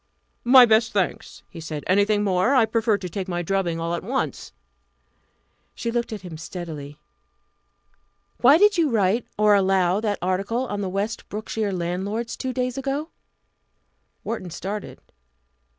"My best thanks!" he said. "Anything more? I prefer to take my drubbing all at once." She looked at him steadily. "Why did you write, or allow that article on the West Brookshire landlords two days ago?" Wharton started.